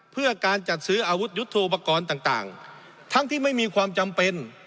เพื่อการจัดซื้ออาวุธยุทธโปรกรณ์ต่างทั้งที่ไม่มีความจำเป็น